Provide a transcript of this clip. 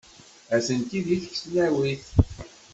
Atenti deg tesnawit.